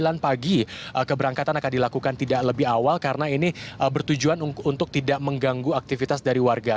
karena keberangkatan akan dilakukan tidak lebih awal karena ini bertujuan untuk tidak mengganggu aktivitas dari warga